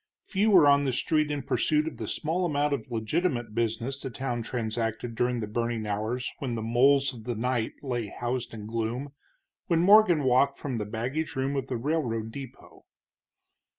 Few were on the street in pursuit of the small amount of legitimate business the town transacted during the burning hours when the moles of the night lay housed in gloom, when Morgan walked from the baggage room of the railroad depot.